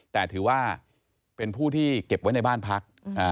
แต่ถือว่าเป็นผู้ที่เก็บไว้ในบ้านพัก